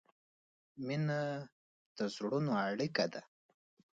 مینه د زړونو اړیکه ده.